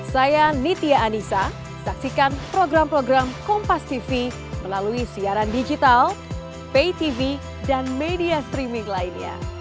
saya nitya anissa saksikan program program kompastv melalui siaran digital paytv dan media streaming lainnya